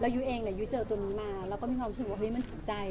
เราอยู่เองเดี๋ยวอยู่เจอตัวนี้มาเราก็มันมีความรู้สึกว่ามันถูกใจ